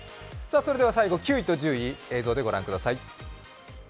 それでは最後、９位と１０位映像で御覧ください。